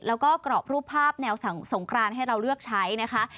แล้วก็กรอบรูปภาพแนวสงครานให้เราเลือกใช้นะคะ